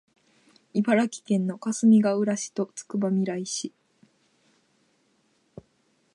茨城県のかすみがうら市とつくばみらい市